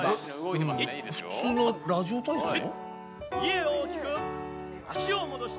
うん普通のラジオ体操？